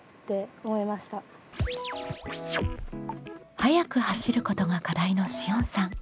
「速く走ること」が課題のしおんさん。